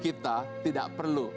kita tidak perlu